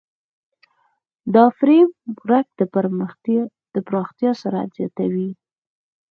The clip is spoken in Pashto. دا فریم ورک د پراختیا سرعت زیاتوي.